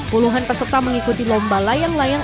puluhan peserta mengikuti lomba layang layang